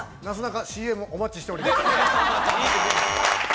なすなか、ＣＭお待ちしております。